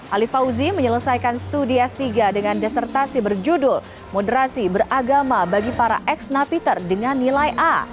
ali fauzi menyelesaikan studi s tiga dengan desertasi berjudul moderasi beragama bagi para ex napiter dengan nilai a